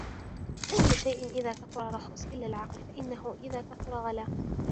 كُلُّ شَيْءٍ إذَا كَثُرَ رَخُصَ إلَّا الْعَقْلَ فَإِنَّهُ إذَا كَثُرَ غَلَا